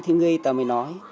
thì người ta mới nói